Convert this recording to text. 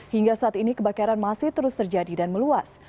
hingga saat ini kebakaran masih terus terjadi dan meluas